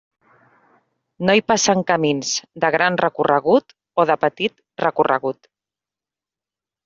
No hi passen camins de gran recorregut, o de petit recorregut.